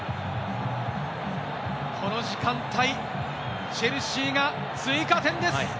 この時間帯、チェルシーが追加点です。